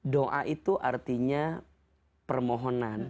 doa itu artinya permohonan